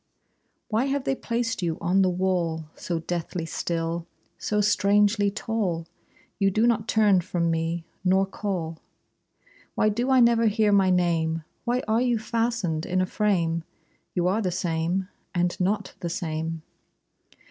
Why have they placed you on the wall, So deathly still, so strangely tall? You do not turn from me, nor call. Why do I never hear my name? Why are you fastened in a frame? You are the same, and not the same.